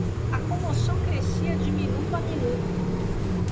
A comoção crescia de minuto a minuto.